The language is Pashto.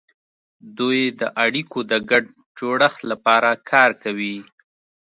دوی د اړیکو د ګډ جوړښت لپاره کار کوي